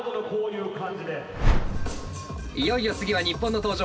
いよいよ次は日本の登場。